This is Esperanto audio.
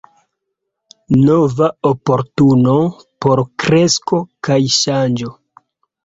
Nova oportuno por kresko kaj ŝanĝo.